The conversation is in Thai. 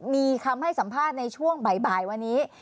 มีคำให้สัมภาษณ์ในช่วงบ่ายวันนี้